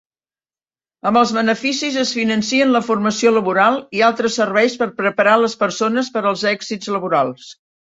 Amb els beneficis es financen la formació laboral i altres serveis per preparar les persones per als èxits laborals.